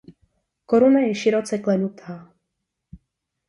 Koruna je široce klenutá.